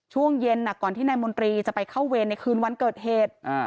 ช่วงเย็นก่อนที่นายมนตรีจะไปเข้าเวรในคืนวันเกิดเหตุ